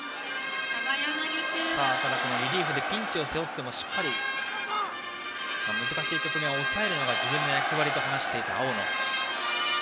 リリーフでピンチを背負っても難しい局面を抑えるのが自分の役割と話していた青野。